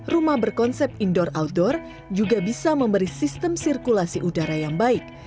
rumah berkonsep indoor outdoor juga bisa memberi sistem sirkulasi udara yang baik